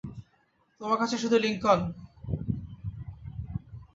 তোমার কাছে শুধু লিংকন।